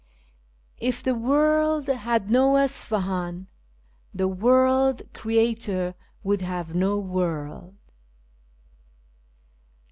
" If the workl had no Isfahan, The Workl Creator woukl have no world."